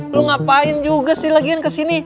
lo ngapain juga sih lagian ke sini